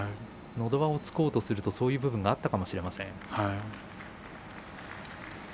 のど輪を突こうとするとそういう部分があったかもしれません。